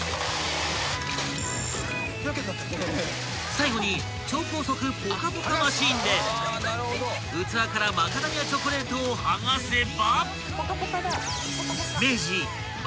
［最後に超高速ポカポカマシンで器からマカダミアチョコレートを剥がせば］